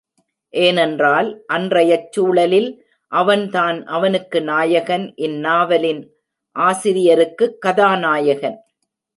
ஏனென்றால், அன்றையச் சூழலில் அவன்தான் அவனுக்கு நாயகன் இந்நாவலின் ஆசிரியருக்குக் கதாநாயகன்.